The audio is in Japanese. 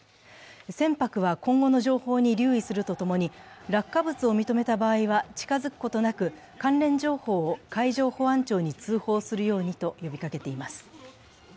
船舶は今後の情報に留意するとともに落下物を認めた場合は近づくことなく、関連情報を海上保安庁に通報するようにと呼びかけています。